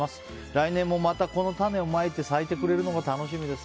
来年もまた、この種をまいて咲いてくれるのが楽しみです。